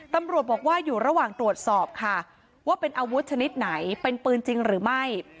ตำรวจบอกว่าอยู่ระหว่างตรวจสอบค่ะว่าเป็นอาวุธชนิดไหนเป็นปืนจริงหรือไม่